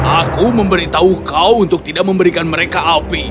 aku memberitahu kau untuk tidak memberikan mereka api